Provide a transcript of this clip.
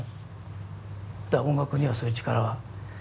だから音楽にはそういう力は。